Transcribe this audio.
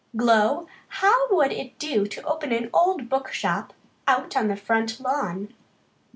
Glow, how would it do to open an old book shop out on the front lawn?"